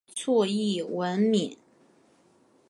卒谥文敏。